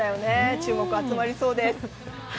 注目が集まりそうです。